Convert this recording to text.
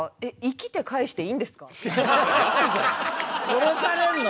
殺されるの？